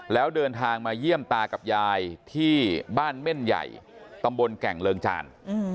แล้วเดินทางมาเยี่ยมตากับยายที่บ้านเม่นใหญ่ตำบลแก่งเริงจาน